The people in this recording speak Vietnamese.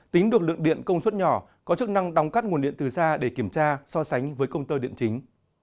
tính được lượng điện công suất nhỏ có chức năng đóng cắt nguồn điện từ xa để kiểm tra so sánh với công tơ điện chính